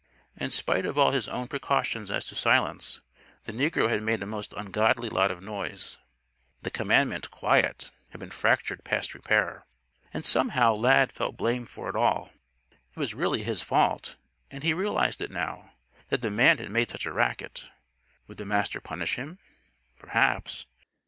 In spite of all his own precautions as to silence, the negro had made a most ungodly lot of noise. The commandment "Quiet!" had been fractured past repair. And, somehow, Lad felt blame for it all. It was really his fault and he realized it now that the man had made such a racket. Would the Master punish him? Perhaps.